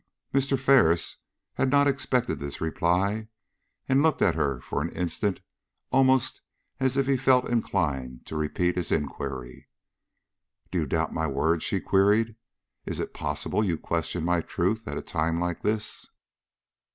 Mr. Ferris had not expected this reply, and looked at her for an instant almost as if he felt inclined to repeat his inquiry. "Do you doubt my word?" she queried. "Is it possible you question my truth at a time like this?"